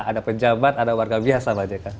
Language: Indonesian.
ada pejabat ada warga biasa pak jk